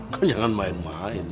kau jangan main main